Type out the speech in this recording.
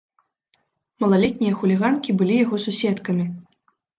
Малалетнія хуліганкі былі яго суседкамі.